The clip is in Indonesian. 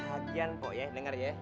lagian pok denger ya